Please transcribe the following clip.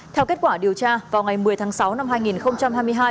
theo kết quả điều tra vào ngày một mươi tháng sáu năm hai nghìn hai mươi hai